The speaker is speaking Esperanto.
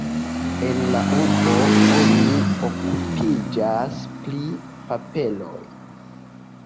En la urbo oni okupiĝas pri paperoj.